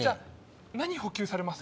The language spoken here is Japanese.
何補給されます？